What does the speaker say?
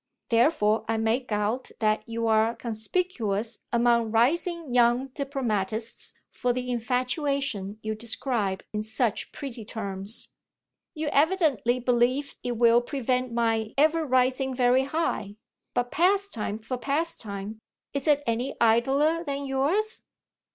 Therefore I make out that you're conspicuous among rising young diplomatists for the infatuation you describe in such pretty terms." "You evidently believe it will prevent my ever rising very high. But pastime for pastime is it any idler than yours?"